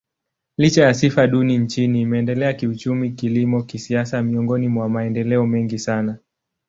Licha ya sifa duni nchini, imeendelea kiuchumi, kilimo, kisiasa miongoni mwa maendeleo mengi sana.